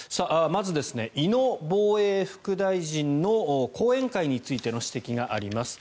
まず、井野防衛副大臣の後援会についての指摘があります。